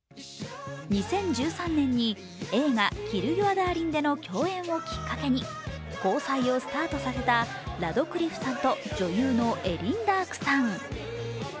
２０１３年に映画「キル・ユア・ダーリン」での共演をきっかけに、交際をスタートさせたラドクリフさんと女優のエリン・ダークさん。